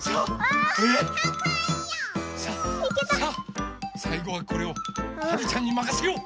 さあさいごはこれをはるちゃんにまかせよう！